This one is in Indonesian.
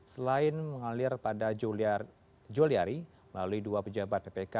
selain mengalir pada juliari melalui dua pejabat ppk